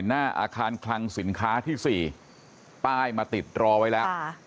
หน้าอาคารคลังสินค้าที่๔ป้ายมาติดรอไว้แล้ว